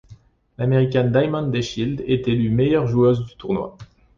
L'américaine Diamond DeShields est élue meilleure joueuse du tournoi.